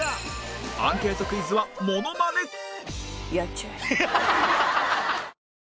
アンケートクイズはモノマネ！